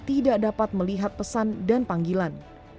tidak dapat melihat pesan dan panggilan